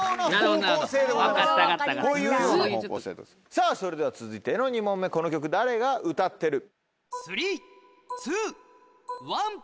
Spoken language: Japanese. さぁそれでは続いての２問目この曲誰が歌ってる？